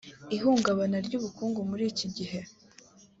Ihungabana ry’ubukungu muri iki gihe